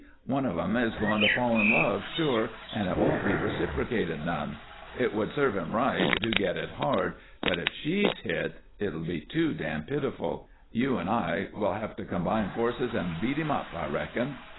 "One of 'em is going to fall in love, sure, and it won't be reciprocated none. It would serve him right to get it hard, but if she's hit it'll be too dam' pitiful. You an' I will have to combine forces and beat him up, I reckon."